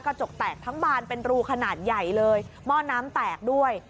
กระจกแตกทั้งบานเป็นรูขนาดใหญ่เลยหม้อน้ำแตกด้วย